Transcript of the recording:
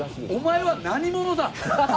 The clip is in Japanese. お前は何者だ？